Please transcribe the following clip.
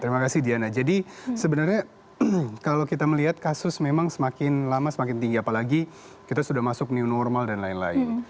terima kasih diana jadi sebenarnya kalau kita melihat kasus memang semakin lama semakin tinggi apalagi kita sudah masuk new normal dan lain lain